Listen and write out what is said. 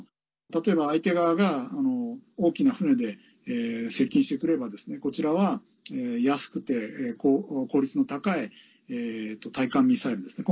例えば相手側が大きな船で接近してくればこちらは、安くて効率の高い対艦ミサイルですね。